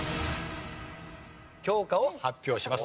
教科を発表します。